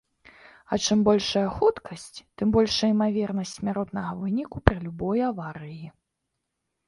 А чым большая хуткасць, тым большая імавернасць смяротнага выніку пры любой аварыі.